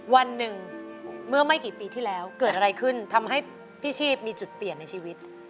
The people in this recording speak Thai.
วันหนึ่งเมื่อไม่กี่ปีที่แล้วเกิดอะไรขึ้นทำให้พี่ชีพมีจุดเปลี่ยนในชีวิต